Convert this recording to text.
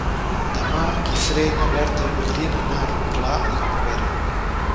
Demà en Guifré i na Berta voldrien anar a Rotglà i Corberà.